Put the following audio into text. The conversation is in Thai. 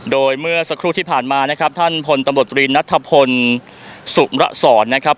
โดยเมื่อสักครู่ที่ผ่านมานะครับท่านพลตำรวจตรีนัทพลสุมระสอนนะครับ